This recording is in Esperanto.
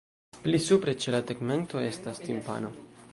Pli supre ĉe la tegmento estas timpano.